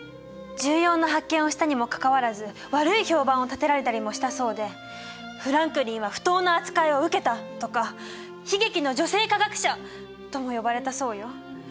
重要な発見をしたにもかかわらず悪い評判をたてられたりもしたそうで「フランクリンは不当な扱いを受けた」とか「悲劇の女性科学者」とも呼ばれたそうよ。